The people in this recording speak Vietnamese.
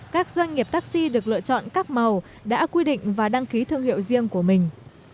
các doanh nghiệp taxi được lựa chọn các màu đã quy định và đăng ký thương hiệu riêng của mình